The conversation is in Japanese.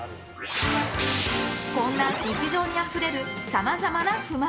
こんな日常にあふれるさまざまな不満。